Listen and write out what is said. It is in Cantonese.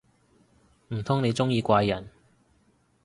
唔通你鍾意怪人